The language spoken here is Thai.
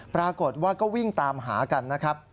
ปรากฏว่าก็วิ่งตามหากันนะครับ